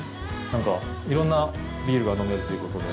なんか、いろんなビールが飲めるということで。